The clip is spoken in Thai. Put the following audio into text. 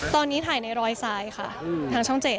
ตอนนี้ถ่ายในรอยซ้ายค่ะทางช่อง๗